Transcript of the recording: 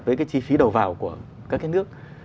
với cái chi phí đầu vào của các nước